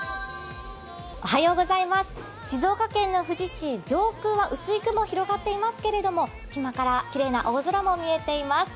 静岡県の富士市、上空は薄い雲が広がっていますけれども隙間からきれいな青空も見えています。